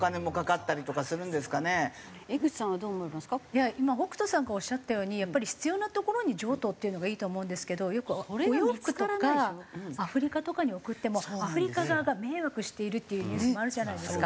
いや今北斗さんがおっしゃったようにやっぱり必要な所に譲渡っていうのがいいとは思うんですけどよくお洋服とかアフリカとかに送ってもアフリカ側が迷惑しているっていうニュースもあるじゃないですか。